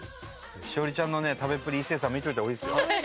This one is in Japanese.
栞里ちゃんのね食べっぷり一生さん見といた方がいいですよ。